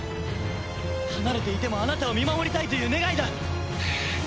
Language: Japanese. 離れていてもあなたを見守りたいという願いだ！